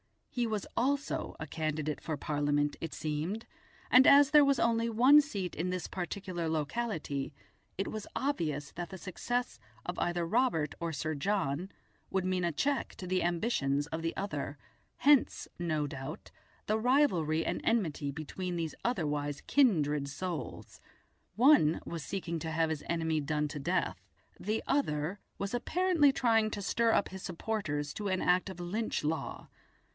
He was also a candidate for Parliament, it seemed, and as there was only one seat in this particular locality, it was obvious that the success of either Robert or Sir John would mean a check to the ambitions of the other, hence, no doubt, the rivalry and enmity between these otherwise kindred souls. One was seeking to have his enemy done to death, the other was apparently trying to stir up his supporters to an act of "Lynch law".